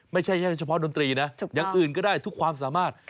ไม่ใช่แค่เฉพาะดนตรีนะอย่างอื่นก็ได้ทุกความสามารถ